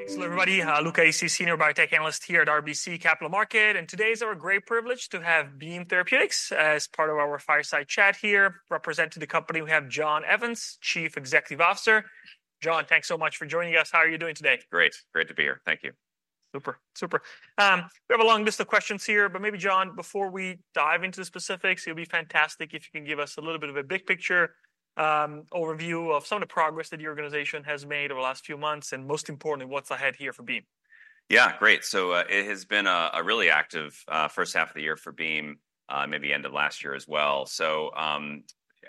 Excellent, everybody. Luca is a Senior Biotech Analyst here at RBC Capital Markets, and today is our great privilege to have Beam Therapeutics as part of our fireside chat here, representing the company. We have John Evans, Chief Executive Officer. John, thanks so much for joining us. How are you doing today? Great. Great to be here. Thank you. Super, super. We have a long list of questions here, but maybe, John, before we dive into the specifics, it would be fantastic if you can give us a little bit of a big picture, overview of some of the progress that your organization has made over the last few months, and most importantly, what's ahead here for Beam. Yeah, great. So, it has been a really active first half of the year for Beam, maybe end of last year as well. So,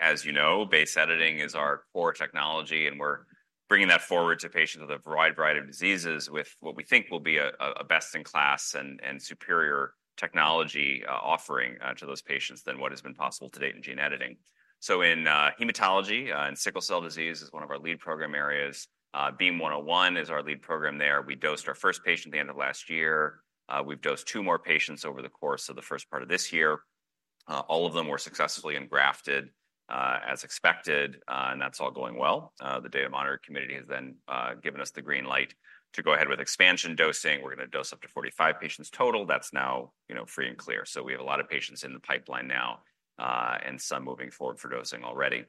as you know, base editing is our core technology, and we're bringing that forward to patients with a wide variety of diseases with what we think will be a best-in-class and superior technology offering to those patients than what has been possible to date in gene editing. So in hematology, and sickle cell disease is one of our lead program areas. BEAM-101 is our lead program there. We dosed our first patient at the end of last year. We've dosed two more patients over the course of the first part of this year. All of them were successfully engrafted, as expected, and that's all going well. The Data Monitoring Committee has then given us the green light to go ahead with expansion dosing. We're gonna dose up to 45 patients total. That's now, you know, free and clear. So we have a lot of patients in the pipeline now, and some moving forward for dosing already.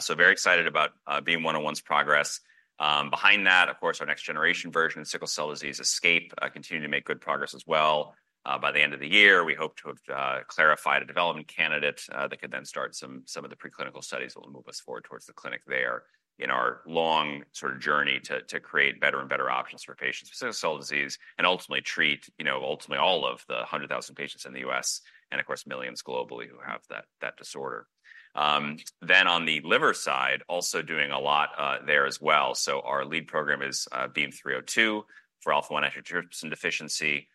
So very excited about BEAM-101's progress. Behind that, of course, our next generation version of sickle cell disease, ESCP, continuing to make good progress as well. By the end of the year, we hope to have clarified a development candidate that could then start some of the preclinical studies that will move us forward towards the clinic there in our long sort of journey to create better and better options for patients with sickle cell disease and ultimately treat, you know, ultimately all of the 100,000 patients in the U.S. Of course, millions globally who have that disorder. Then on the liver side, also doing a lot there as well. So our lead program is BEAM-302 for alpha-1 antitrypsin deficiency.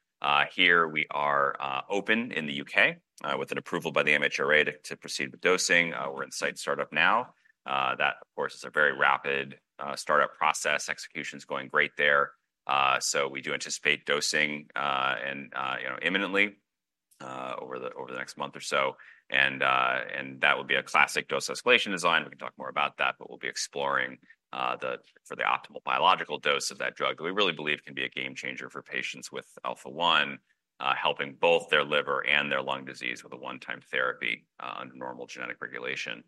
Here we are open in the U.K. with an approval by the MHRA to proceed with dosing. We're in site startup now. That, of course, is a very rapid startup process. Execution's going great there. So we do anticipate dosing, and you know, imminently, over the next month or so. And that will be a classic dose escalation design. We can talk more about that, but we'll be exploring for the optimal biological dose of that drug that we really believe can be a game changer for patients with alpha-1, helping both their liver and their lung disease with a one-time therapy under normal genetic regulation.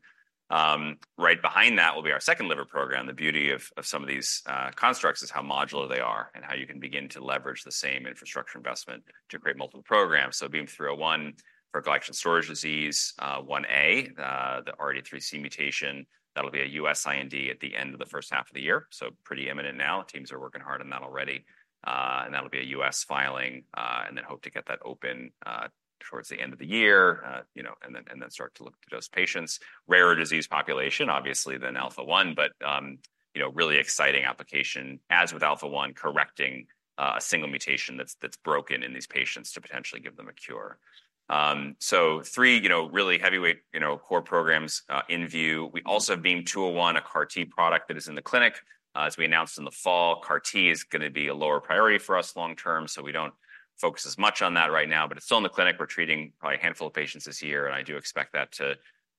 Right behind that will be our second liver program. The beauty of some of these constructs is how modular they are and how you can begin to leverage the same infrastructure investment to create multiple programs. So BEAM-301 for glycogen storage disease Ia, the R83C mutation. That'll be a U.S. IND at the end of the first half of the year. So pretty imminent now. Teams are working hard on that already. And that'll be a U.S. filing, and then hope to get that open towards the end of the year, you know, and then start to look to those patients. Rarer disease population, obviously, than alpha-1, but you know, really exciting application as with alpha-1, correcting a single mutation that's broken in these patients to potentially give them a cure. So three, you know, really heavyweight, you know, core programs in view. We also have BEAM-201, a CAR-T product that is in the clinic. As we announced in the fall, CAR-T is gonna be a lower priority for us long term, so we don't focus as much on that right now, but it's still in the clinic. We're treating probably a handful of patients this year, and I do expect that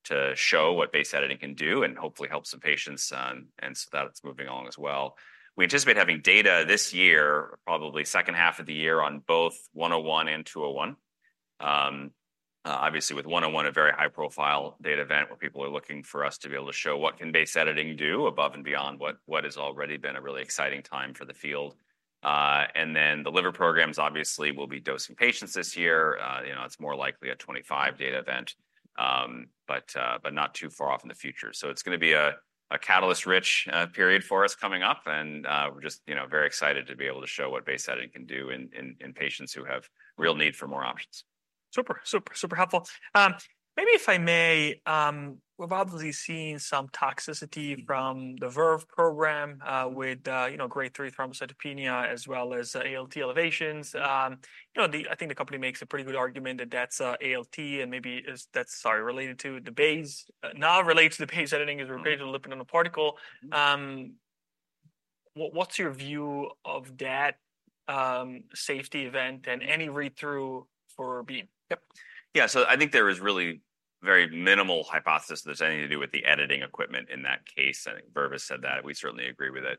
to show what base editing can do and hopefully help some patients, and so that it's moving along as well. We anticipate having data this year, probably second half of the year, on both BEAM-101 and BEAM-201. Obviously, with BEAM-101, a very high-profile data event where people are looking for us to be able to show what base editing can do above and beyond what has already been a really exciting time for the field. And then the liver programs, obviously, will be dosing patients this year. You know, it's more likely a 25 data event, but, but not too far off in the future. So it's gonna be a a catalyst-rich period for us coming up, and, we're just, you know, very excited to be able to show what base editing can do in in in patients who have real need for more options. Super, super, super helpful. Maybe if I may, we've obviously seen some toxicity from the Verve program, with, you know, grade 3 thrombocytopenia as well as ALT elevations. You know, I think the company makes a pretty good argument that that's ALT, and maybe that's related to the base. Now it relates to the base editing, because we're basically LNP, a lipid nanoparticle. What's your view of that safety event and any read-through for Beam? Yep. Yeah. So I think there is really very minimal evidence that there's anything to do with the editing event in that case. I think Verve said that. We certainly agree with it.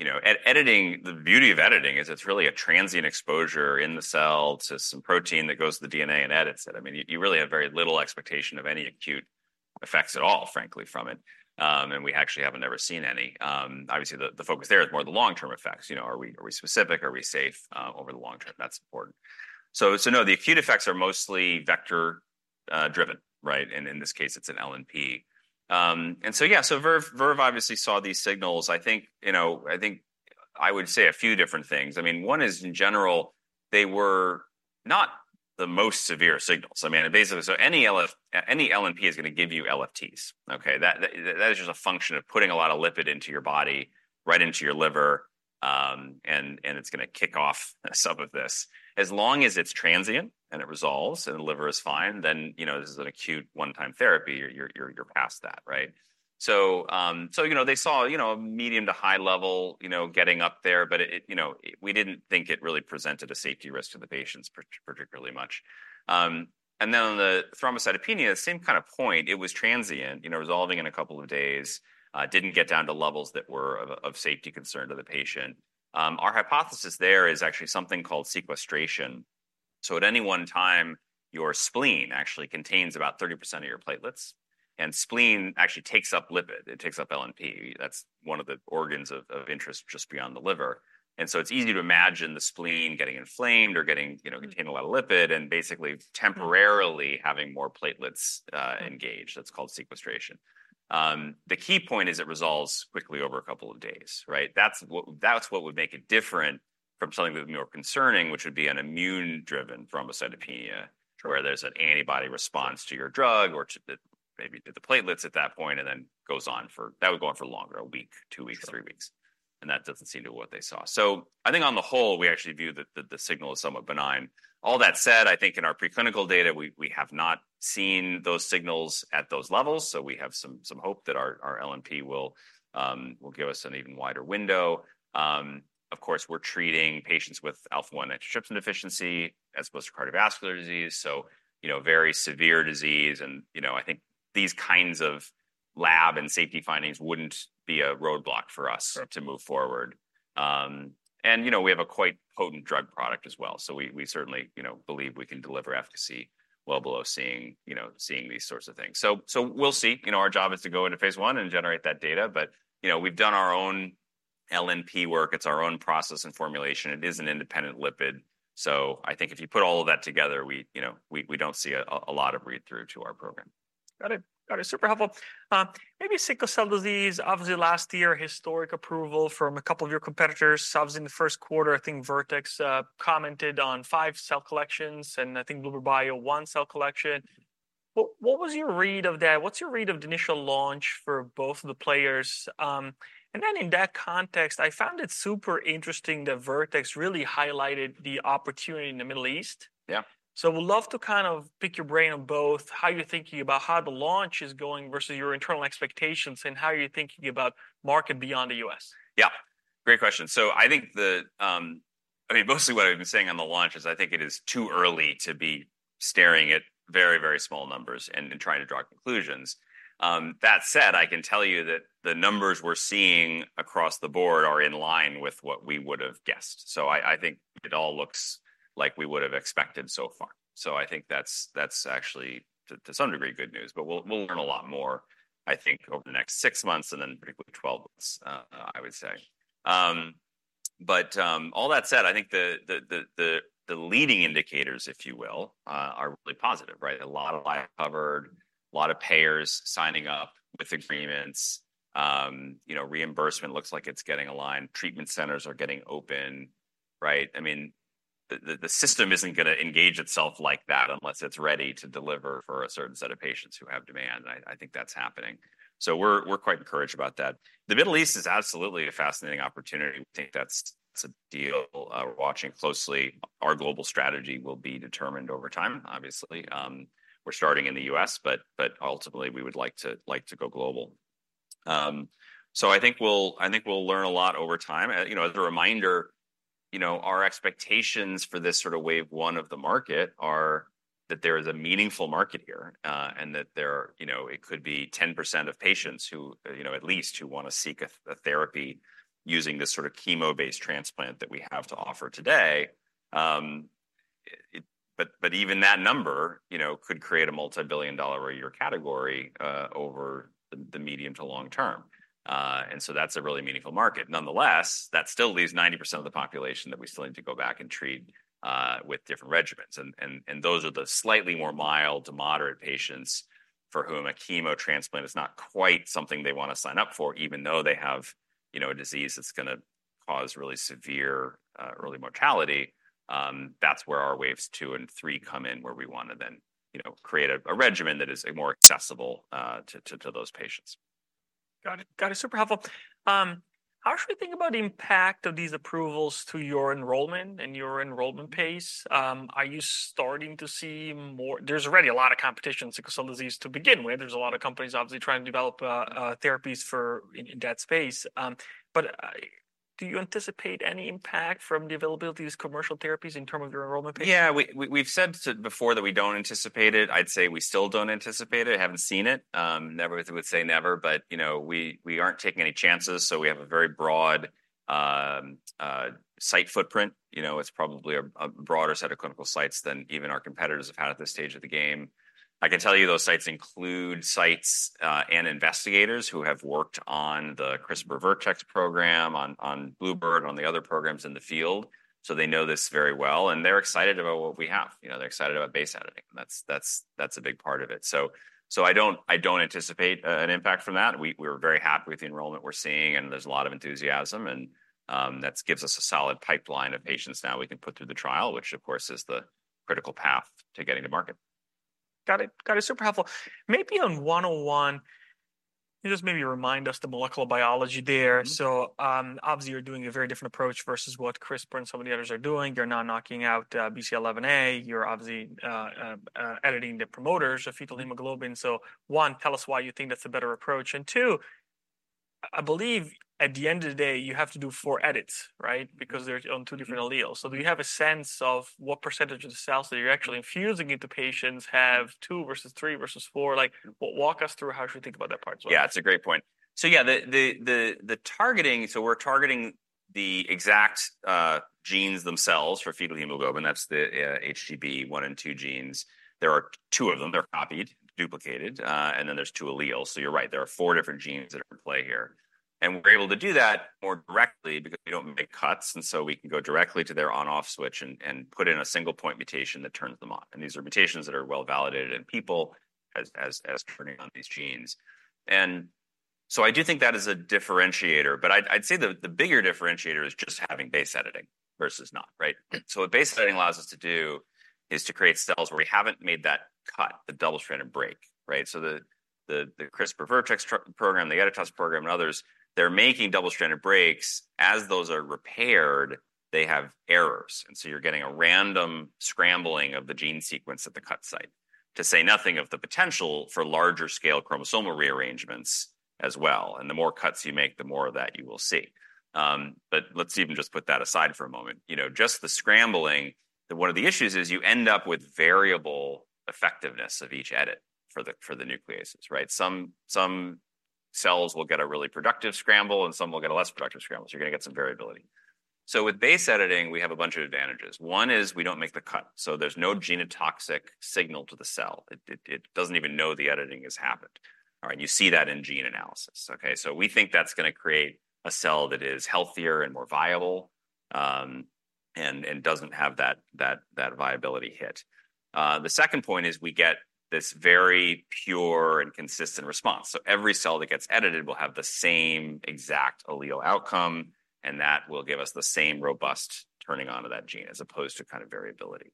You know, the beauty of editing is it's really a transient exposure in the cell to some protein that goes to the DNA and edits it. I mean, you really have very little expectation of any acute effects at all, frankly, from it. And we actually haven't ever seen any. Obviously, the focus there is more the long-term effects. You know, are we specific? Are we safe over the long term? That's important. So no, the acute effects are mostly vector-driven, right? And in this case, it's an LNP. And so, yeah, so Verve obviously saw these signals. I think, you know, I think I would say a few different things. I mean, one is, in general, they were not the most severe signals. I mean, it basically so any LNP is gonna give you LFTs. Okay? That is just a function of putting a lot of lipid into your body, right into your liver. And it's gonna kick off some of this. As long as it's transient and it resolves and the liver is fine, then, you know, this is an acute one-time therapy. You're past that, right? So, you know, they saw, you know, a medium to high level, you know, getting up there, but it, you know, we didn't think it really presented a safety risk to the patients particularly much. And then on the thrombocytopenia, same kind of point. It was transient, you know, resolving in a couple of days. Didn't get down to levels that were of of safety concern to the patient. Our hypothesis there is actually something called sequestration. So at any one time, your spleen actually contains about 30% of your platelets. And spleen actually takes up lipid. It takes up LNP. That's one of the organs of of interest just beyond the liver. And so it's easy to imagine the spleen getting inflamed or getting, you know, containing a lot of lipid and basically temporarily having more platelets engaged. That's called sequestration. The key point is it resolves quickly over a couple of days, right? That's what would make it different from something that would be more concerning, which would be an immune-driven thrombocytopenia, where there's an antibody response to your drug or to the platelets at that point, and then that would go on for longer, a week, two weeks, three weeks. And that doesn't seem to be what they saw. So I think on the whole, we actually view that the signal is somewhat benign. All that said, I think in our preclinical data, we have not seen those signals at those levels. So we have some hope that our LNP will give us an even wider window. Of course, we're treating patients with alpha-1 antitrypsin deficiency as opposed to cardiovascular disease. So, you know, very severe disease. You know, I think these kinds of lab and safety findings wouldn't be a roadblock for us to move forward. And, you know, we have a quite potent drug product as well. So we certainly, you know, believe we can deliver efficacy well below seeing, you know, seeing these sorts of things. So we'll see. You know, our job is to go into phase 1 and generate that data. But, you know, we've done our own LNP work. It's our own process and formulation. It is an independent lipid. So I think if you put all of that together, we, you know, we don't see a lot of read-through to our program. Got it. Got it. Super helpful. Maybe sickle cell disease, obviously last year, historic approval from a couple of your competitors. Obviously in the first quarter, I think Vertex commented on five cell collections, and I think bluebird bio one cell collection. What what was your read of that? What's your read of the initial launch for both of the players? And then in that context, I found it super interesting that Vertex really highlighted the opportunity in the Middle East. Yeah. We'd love to kind of pick your brain on both, how you're thinking about how the launch is going versus your internal expectations, and how you're thinking about market beyond the U.S. Yeah. Great question. So I think, I mean, mostly what I've been saying on the launch is I think it is too early to be staring at very, very small numbers and trying to draw conclusions. That said, I can tell you that the numbers we're seeing across the board are in line with what we would have guessed. So I think it all looks like we would have expected so far. So I think that's actually to some degree good news. But we'll learn a lot more, I think, over the next 6 months and then particularly 12 months, I would say. But all that said, I think the leading indicators, if you will, are really positive, right? A lot of lives covered, a lot of payers signing up with agreements. You know, reimbursement looks like it's getting aligned. Treatment centers are getting open, right? I mean, the system isn't gonna engage itself like that unless it's ready to deliver for a certain set of patients who have demand. And I think that's happening. So we're quite encouraged about that. The Middle East is absolutely a fascinating opportunity. We think that's a deal. We're watching closely. Our global strategy will be determined over time, obviously. We're starting in the U.S., but ultimately, we would like to go global. So I think we'll learn a lot over time. You know, as a reminder, you know, our expectations for this sort of wave one of the market are that there is a meaningful market here, and that there, you know, it could be 10% of patients who, you know, at least, who wanna seek a therapy using this sort of chemo-based transplant that we have to offer today. But even that number, you know, could create a multi-billion dollar a year category, over the medium to long term. And so that's a really meaningful market. Nonetheless, that still leaves 90% of the population that we still need to go back and treat, with different regimens. And those are the slightly more mild to moderate patients for whom a chemo transplant is not quite something they wanna sign up for, even though they have, you know, a disease that's gonna cause really severe, early mortality. that's where our waves two and three come in, where we wanna then, you know, create a regimen that is more accessible to those patients. Got it. Got it. Super helpful. How should we think about the impact of these approvals to your enrollment and your enrollment pace? Are you starting to see more? There's already a lot of competition in sickle cell disease to begin with. There's a lot of companies, obviously, trying to develop therapies for in that space. But do you anticipate any impact from the availability of these commercial therapies in terms of your enrollment pace? Yeah. We've said before that we don't anticipate it. I'd say we still don't anticipate it. I haven't seen it. Never would say never. But, you know, we aren't taking any chances. So we have a very broad site footprint. You know, it's probably a broader set of clinical sites than even our competitors have had at this stage of the game. I can tell you those sites include sites and investigators who have worked on the CRISPR-Vertex program, on bluebird bio and on the other programs in the field. So they know this very well. And they're excited about what we have. You know, they're excited about base editing. And that's a big part of it. So I don't anticipate an impact from that. We're very happy with the enrollment we're seeing. And there's a lot of enthusiasm. That gives us a solid pipeline of patients, now we can put through the trial, which, of course, is the critical path to getting to market. Got it. Got it. Super helpful. Maybe on 101, you just maybe remind us the molecular biology there. So, obviously, you're doing a very different approach versus what CRISPR and some of the others are doing. You're not knocking out BCL11A. You're obviously editing the promoters, the fetal hemoglobin. So, 1, tell us why you think that's a better approach. And 2, I believe, at the end of the day, you have to do 4 edits, right? Because they're on 2 different alleles. So do you have a sense of what percentage of the cells that you're actually infusing into patients have 2 versus 3 versus 4? Like, walk us through how should we think about that part as well? Yeah. It's a great point. So, yeah, the targeting so we're targeting the exact genes themselves for fetal hemoglobin. That's the HBG1 and HBG2 genes. There are two of them. They're copied, duplicated. And then there's two alleles. So you're right. There are four different genes that are in play here. And we're able to do that more directly because we don't make cuts. And so we can go directly to their on-off switch and put in a single point mutation that turns them on. And these are mutations that are well validated in people as turning on these genes. And so I do think that is a differentiator. But I'd say the bigger differentiator is just having base editing versus not, right? So what base editing allows us to do is to create cells where we haven't made that cut, the double-stranded break, right? So the CRISPR-Vertex program, the Editas program, and others, they're making double-stranded breaks. As those are repaired, they have errors. And so you're getting a random scrambling of the gene sequence at the cut site, to say nothing of the potential for larger-scale chromosomal rearrangements as well. And the more cuts you make, the more of that you will see. But let's even just put that aside for a moment. You know, just the scrambling, one of the issues is you end up with variable effectiveness of each edit for the nucleases, right? Some cells will get a really productive scramble, and some will get a less productive scramble. So you're gonna get some variability. So with base editing, we have a bunch of advantages. One is we don't make the cut. So there's no genotoxic signal to the cell. It doesn't even know the editing has happened. All right. You see that in gene analysis. Okay? We think that's gonna create a cell that is healthier and more viable and doesn't have that viability hit. The second point is we get this very pure and consistent response. Every cell that gets edited will have the same exact allele outcome. And that will give us the same robust turning on of that gene, as opposed to kind of variability.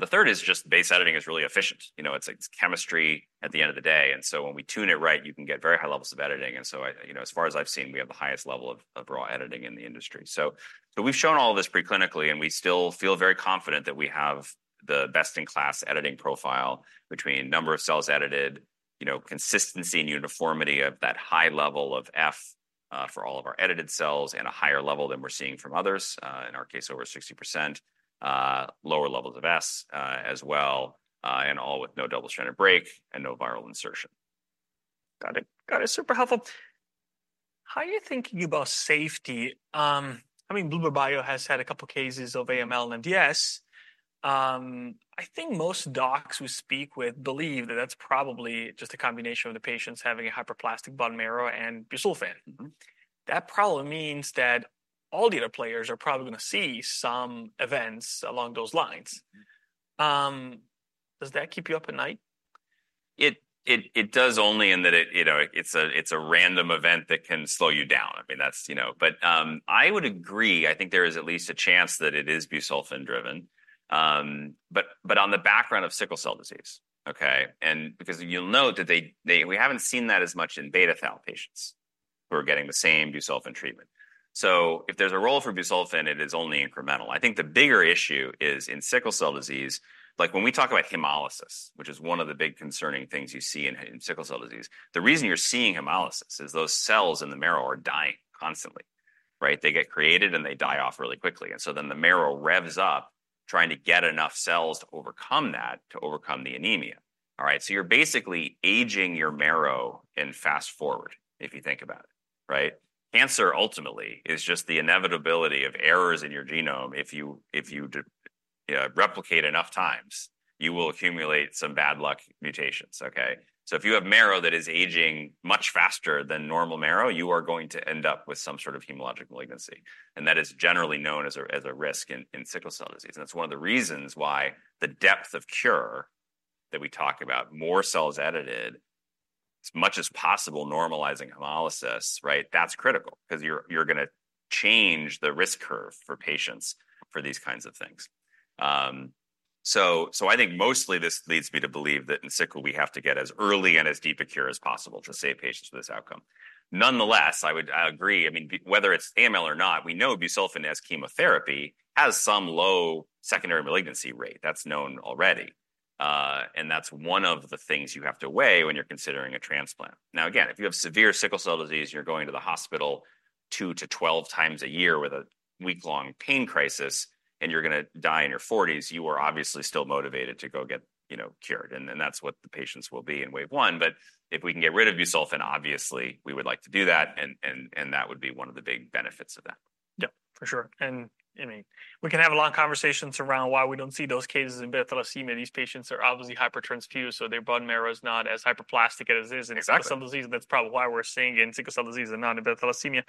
The third is just base editing is really efficient. You know, it's chemistry at the end of the day. And so when we tune it right, you can get very high levels of editing. So I, you know, as far as I've seen, we have the highest level of raw editing in the industry. So we've shown all of this preclinically, and we still feel very confident that we have the best-in-class editing profile between number of cells edited, you know, consistency and uniformity of that high level of F for all of our edited cells, and a higher level than we're seeing from others, in our case, over 60%, lower levels of S, as well, and all with no double-stranded break and no viral insertion. Got it. Got it. Super helpful. How are you thinking about safety? I mean, bluebird bio has had a couple cases of AML and MDS. I think most docs we speak with believe that that's probably just a combination of the patients having a hyperplastic bone marrow and busulfan. That probably means that all the other players are probably gonna see some events along those lines. Does that keep you up at night? It does, only in that it, you know, it's a random event that can slow you down. I mean, that's, you know, but, I would agree. I think there is at least a chance that it is busulfan-driven, but on the background of sickle cell disease, okay? And because you'll note that they we haven't seen that as much in beta thal patients who are getting the same busulfan treatment. So if there's a role for busulfan, it is only incremental. I think the bigger issue is in sickle cell disease, like when we talk about hemolysis, which is one of the big concerning things you see in sickle cell disease, the reason you're seeing hemolysis is those cells in the marrow are dying constantly, right? They get created, and they die off really quickly. And so then the marrow revs up trying to get enough cells to overcome that, to overcome the anemia. All right? So you're basically aging your marrow and fast forward, if you think about it, right? Cancer, ultimately, is just the inevitability of errors in your genome. If you, you know, replicate enough times, you will accumulate some bad luck mutations. Okay? So if you have marrow that is aging much faster than normal marrow, you are going to end up with some sort of hematologic malignancy. And that is generally known as a risk in sickle cell disease. And that's one of the reasons why the depth of cure that we talk about, more cells edited, as much as possible, normalizing hemolysis, right? That's critical because you're gonna change the risk curve for patients for these kinds of things. So I think mostly this leads me to believe that in sickle, we have to get as early and as deep a cure as possible to save patients with this outcome. Nonetheless, I would agree. I mean, whether it's AML or not, we know busulfan as chemotherapy has some low secondary malignancy rate. That's known already, and that's one of the things you have to weigh when you're considering a transplant. Now, again, if you have severe sickle cell disease, you're going to the hospital 2-12 times a year with a week-long pain crisis, and you're gonna die in your 40s, you are obviously still motivated to go get, you know, cured. And that's what the patients will be in wave one. But if we can get rid of busulfan, obviously, we would like to do that. That would be one of the big benefits of that. Yeah. For sure. And I mean, we can have a long conversation surrounding why we don't see those cases in beta thalassemia. These patients are obviously hypertransfused. So their bone marrow is not as hyperplastic as it is in sickle cell disease. And that's probably why we're seeing it in sickle cell disease and not in beta thalassemia.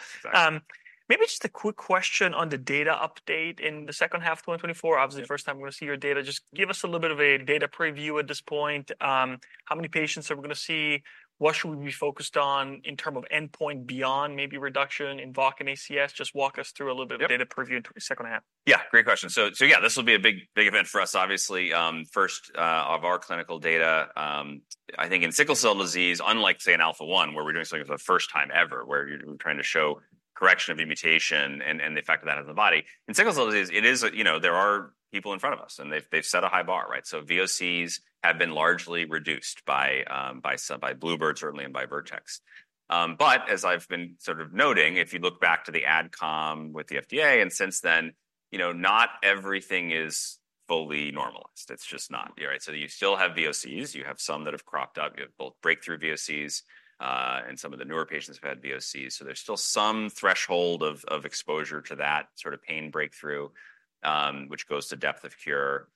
Maybe just a quick question on the data update in the second half of 2024. Obviously, first time we're gonna see your data. Just give us a little bit of a data preview at this point. How many patients are we gonna see? What should we be focused on in terms of endpoint beyond maybe reduction in VOC and ACS? Just walk us through a little bit of data preview in the second half. Yeah. Great question. So yeah, this will be a big event for us, obviously. First of our clinical data, I think in sickle cell disease, unlike, say, an alpha one, where we're doing something for the first time ever, where you're trying to show correction of your mutation and the effect of that in the body, in sickle cell disease, it is a, you know, there are people in front of us, and they've set a high bar, right? So VOCs have been largely reduced by bluebird, certainly, and by Vertex. But as I've been sort of noting, if you look back to the AdCom with the FDA, and since then, you know, not everything is fully normalized. It's just not, all right? So you still have VOCs. You have some that have cropped up. You have both breakthrough VOCs. Some of the newer patients have had VOCs. So there's still some threshold of exposure to that sort of pain breakthrough, which goes to depth of cure.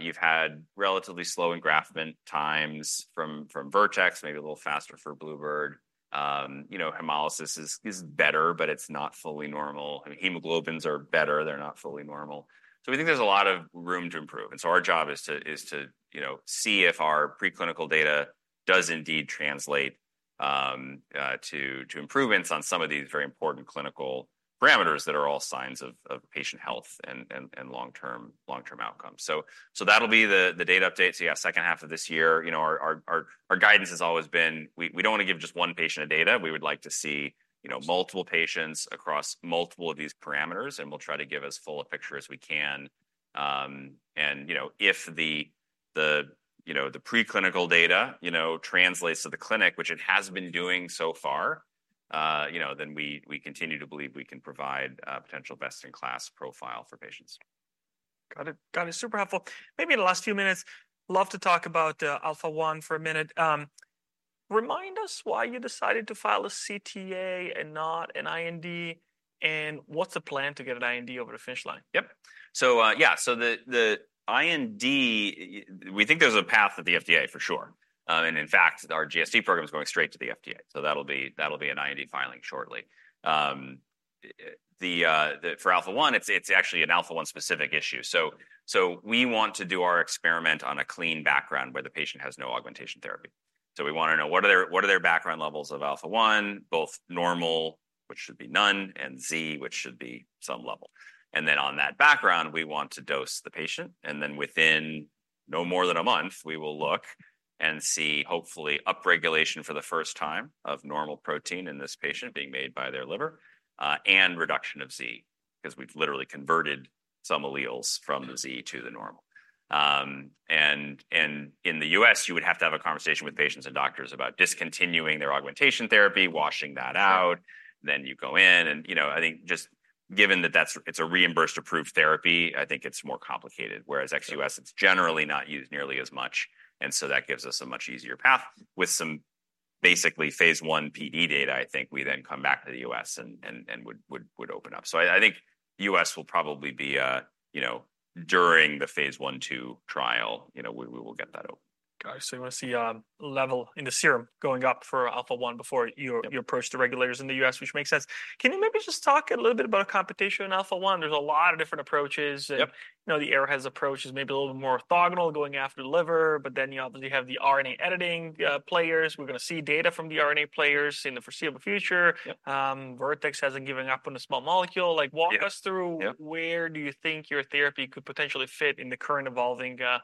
You've had relatively slow engraftment times from Vertex, maybe a little faster for bluebird. You know, hemolysis is better, but it's not fully normal. I mean, hemoglobins are better. They're not fully normal. So we think there's a lot of room to improve. And so our job is to, you know, see if our preclinical data does indeed translate to improvements on some of these very important clinical parameters that are all signs of patient health and long-term outcomes. So that'll be the data update. So yeah, second half of this year, you know, our guidance has always been, we don't wanna give just one patient data. We would like to see, you know, multiple patients across multiple of these parameters. And we'll try to give as full a picture as we can. And you know, if the, you know, the preclinical data, you know, translates to the clinic, which it has been doing so far, you know, then we continue to believe we can provide potential best-in-class profile for patients. Got it. Got it. Super helpful. Maybe in the last few minutes, love to talk about alpha-1 for a minute. Remind us why you decided to file a CTA and not an IND, and what's the plan to get an IND over the finish line? Yep. So, yeah. So the IND, we think there's a path at the FDA for sure. And in fact, our GSD program is going straight to the FDA. So that'll be an IND filing shortly. The for alpha one, it's actually an alpha one specific issue. So we want to do our experiment on a clean background where the patient has no augmentation therapy. So we wanna know, what are their background levels of alpha one, both normal, which should be none, and Z, which should be some level. And then on that background, we want to dose the patient. And then within no more than a month, we will look and see, hopefully, upregulation for the first time of normal protein in this patient being made by their liver, and reduction of Z, because we've literally converted some alleles from the Z to the normal. And in the U.S., you would have to have a conversation with patients and doctors about discontinuing their augmentation therapy, washing that out. Then you go in and, you know, I think just given that that's it's a reimbursed approved therapy, I think it's more complicated. Whereas ex-U.S., it's generally not used nearly as much. And so that gives us a much easier path with some basically phase one PD data, I think we then come back to the U.S. and would open up. I think U.S. will probably be, you know, during the phase 1/2 trial, you know, we will get that open. Got it. So you wanna see level in the serum going up for alpha-1 before you approach the regulators in the U.S., which makes sense. Can you maybe just talk a little bit about competition in alpha-1? There's a lot of different approaches. And, you know, the Arrowhead's approach is maybe a little bit more orthogonal going after the liver. But then you obviously have the RNA editing players. We're gonna see data from the RNA players in the foreseeable future. Vertex hasn't given up on a small molecule. Like, walk us through where do you think your therapy could potentially fit in the current evolving competitive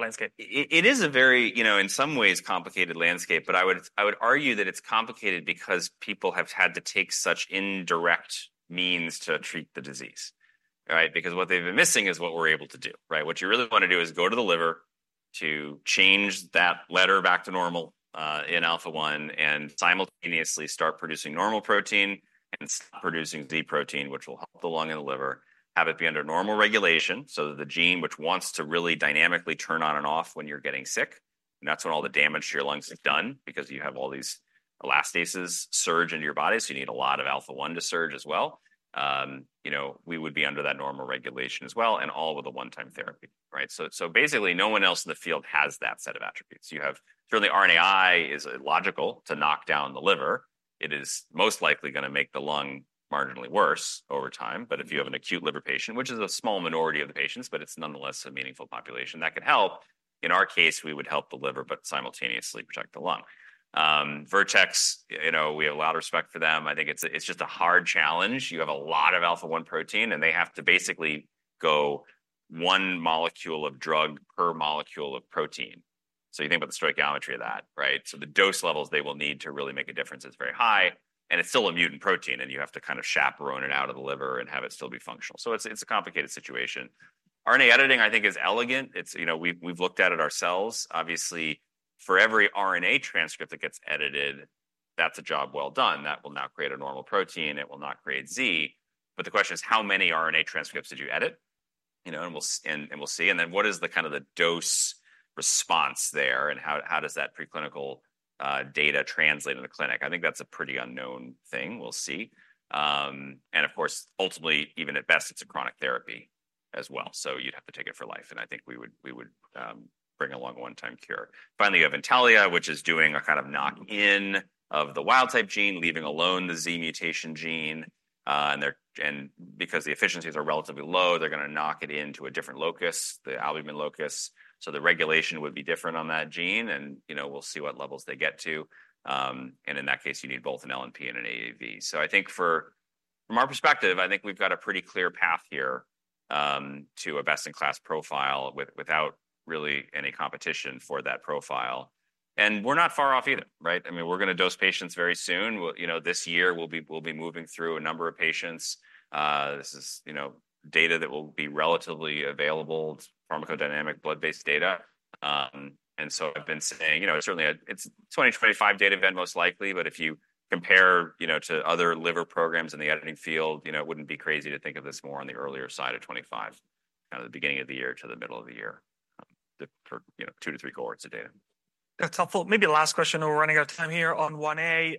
landscape? It is a very, you know, in some ways, complicated landscape. But I would argue that it's complicated because people have had to take such indirect means to treat the disease, right? Because what they've been missing is what we're able to do, right? What you really wanna do is go to the liver to change that letter back to normal, in alpha one and simultaneously start producing normal protein and stop producing Z protein, which will help the lung and the liver, have it be under normal regulation so that the gene, which wants to really dynamically turn on and off when you're getting sick, and that's when all the damage to your lungs is done because you have all these elastases surge into your body. So you need a lot of alpha one to surge as well. You know, we would be under that normal regulation as well, and all with a one-time therapy, right? So, so basically, no one else in the field has that set of attributes. You have certainly RNAi is logical to knock down the liver. It is most likely gonna make the lung marginally worse over time. But if you have an acute liver patient, which is a small minority of the patients, but it's nonetheless a meaningful population that could help. In our case, we would help the liver, but simultaneously protect the lung. Vertex, you know, we have a lot of respect for them. I think it's a it's just a hard challenge. You have a lot of alpha one protein, and they have to basically go one molecule of drug per molecule of protein. So you think about the stoichiometry of that, right? So the dose levels they will need to really make a difference is very high. And it's still a mutant protein, and you have to kind of chaperone it out of the liver and have it still be functional. So it's a complicated situation. RNA editing, I think, is elegant. It's, you know, we've looked at it ourselves. Obviously, for every RNA transcript that gets edited, that's a job well done. That will now create a normal protein. It will not create Z. But the question is, how many RNA transcripts did you edit? You know, and we'll see. And then what is the dose response there? And how does that preclinical data translate in the clinic? I think that's a pretty unknown thing. We'll see. And of course, ultimately, even at best, it's a chronic therapy as well. So you'd have to take it for life. And I think we would bring along a one-time cure. Finally, you have Intellia, which is doing a kind of knock-in of the wild type gene, leaving alone the Z mutation gene. And because the efficiencies are relatively low, they're gonna knock it into a different locus, the albumin locus. So the regulation would be different on that gene. And, you know, we'll see what levels they get to. And in that case, you need both an LNP and an AAV. So I think from our perspective, I think we've got a pretty clear path here, to a best-in-class profile without really any competition for that profile. And we're not far off either, right? I mean, we're gonna dose patients very soon. We'll, you know, this year, we'll be moving through a number of patients. This is, you know, data that will be relatively available, pharmacodynamic, blood-based data. And so I've been saying, you know, it's certainly a it's 2025 data event, most likely. But if you compare, you know, to other liver programs in the editing field, you know, it wouldn't be crazy to think of this more on the earlier side of 2025, kind of the beginning of the year to the middle of the year, for, you know, 2-3 cohorts of data. That's helpful. Maybe last question. We're running out of time here on IA.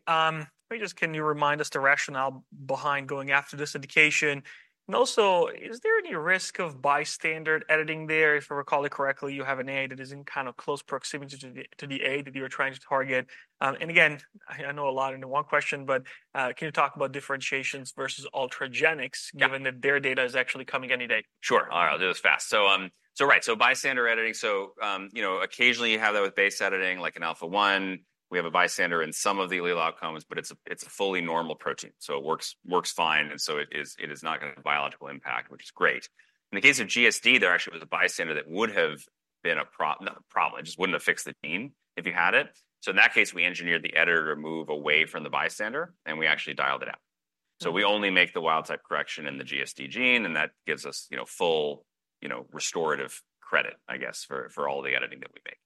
Maybe just can you remind us the rationale behind going after this indication? And also, is there any risk of bystander editing there? If I recall it correctly, you have an A that is in kind of close proximity to the A that you were trying to target. And again, I know a lot into one question. But, can you talk about differentiations versus Ultragenyx, given that their data is actually coming any day? Sure. All right. I'll do this fast. So right. So bystander editing. So, you know, occasionally you have that with base editing, like an alpha one. We have a bystander in some of the allele outcomes. But it's a fully normal protein. So it works fine. And so it is not gonna have a biological impact, which is great. In the case of GSD, there actually was a bystander that would have been a problem. Not a problem. It just wouldn't have fixed the gene if you had it. So in that case, we engineered the editor to move away from the bystander, and we actually dialed it out. So we only make the wild type correction in the GSD gene. And that gives us, you know, full, you know, restorative credit, I guess, for all the editing that we make.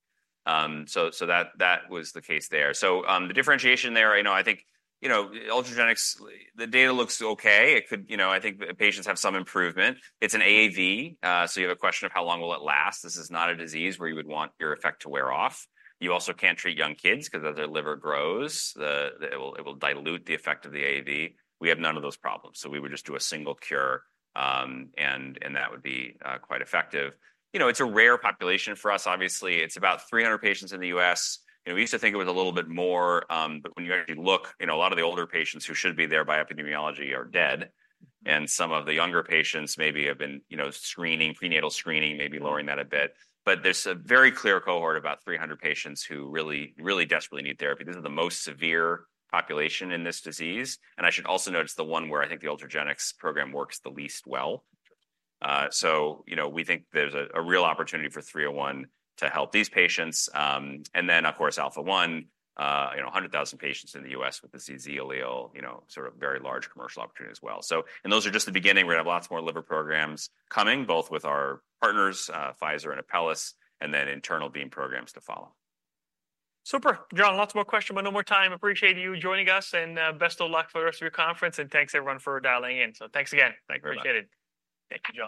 So that was the case there. So, the differentiation there, you know, I think, you know, Ultragenyx, the data looks okay. It could, you know, I think patients have some improvement. It's an AAV. So you have a question of how long will it last? This is not a disease where you would want your effect to wear off. You also can't treat young kids because as their liver grows, it will dilute the effect of the AAV. We have none of those problems. So we would just do a single cure, and that would be quite effective. You know, it's a rare population for us, obviously. It's about 300 patients in the U.S. You know, we used to think it was a little bit more. But when you actually look, you know, a lot of the older patients who should be there by epidemiology are dead. And some of the younger patients maybe have been, you know, screening, prenatal screening, maybe lowering that a bit. But there's a very clear cohort about 300 patients who really really desperately need therapy. This is the most severe population in this disease. And I should also note it's the one where I think the Ultragenyx program works the least well. So, you know, we think there's a real opportunity for 301 to help these patients. And then, of course, alpha one, you know, 100,000 patients in the U.S. with the CZ allele, you know, sort of very large commercial opportunity as well. So and those are just the beginning. We're gonna have lots more liver programs coming, both with our partners, Pfizer and Apellis, and then internal Beam programs to follow. Super, John. Lots more questions, but no more time. Appreciate you joining us. And best of luck for the rest of your conference. And thanks, everyone, for dialing in. So thanks again. Thank you very much. Appreciate it. Thank you, John.